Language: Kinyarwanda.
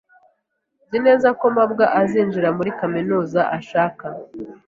Nzi neza ko mabwa azinjira muri kaminuza ashaka.